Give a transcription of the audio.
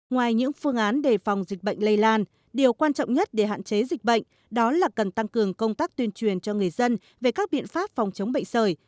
ngoài những phương án đề phòng dịch bệnh lây lan điều quan trọng nhất để hạn chế dịch bệnh đó là cần tăng cường công tác tuyên truyền cho người dân về các biện pháp phòng chống bệnh sởi